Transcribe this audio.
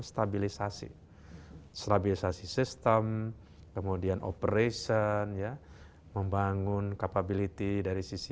stabilisasi stabilisasi sistem kemudian operation ya membangun capability dari sisi